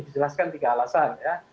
dijelaskan tiga alasan ya